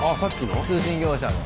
通信業者の。